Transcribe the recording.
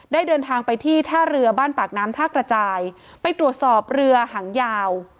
เดินทางไปที่ท่าเรือบ้านปากน้ำท่ากระจายไปตรวจสอบเรือหางยาว